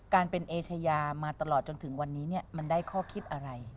การเป็นเอเชยามาตลอดจนถึงวันนี้มันได้ข้อคิดอะไร